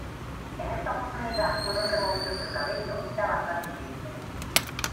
En esta oportunidad fueron removidos el cabello y la barba de Jason.